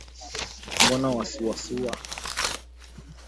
Mbona wasuasua